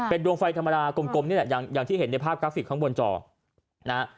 เป็นดวงไฟธรรมดากลมกลมนี่แหละอย่างอย่างที่เห็นในภาพกราฟิกข้างบนจอนะ